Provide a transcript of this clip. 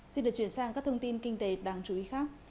xin được chuyển sang các thông tin kinh tế đáng chú ý khác